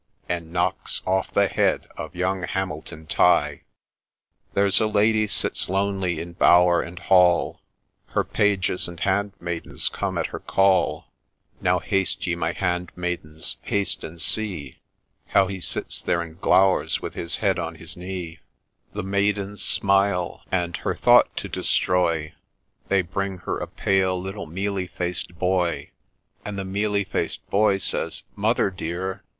And knocks off the head of young Hamilton Tighe 1 There 's a lady sits lonely in bower and hall, Her pages and handmaidens come at her call :' Now, haste ye, my handmaidens, haste and see How he sits there and glow'rs with his head on his knee !' 92 LEGEND OP HAMILTON TIGHE The maidens smile, and, her thought to destroy, They bring her a little, pale, mealy faced boy ; And the mealy faced boy says, ' Mother, dear.